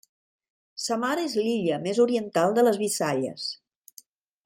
Samar és l'illa més oriental de les Visayas.